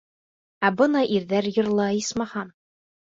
Ә бына ирҙәр йырлай, исмаһам!